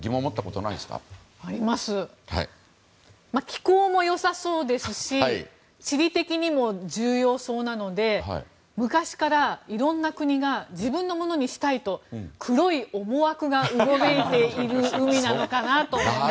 気候もよさそうですし地理的にも重要そうなので昔から、いろんな国が自分のものにしたいと黒い思惑がうごめいている海なのかなと思って。